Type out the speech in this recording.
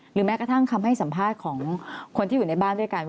แม้กระทั่งคำให้สัมภาษณ์ของคนที่อยู่ในบ้านด้วยกัน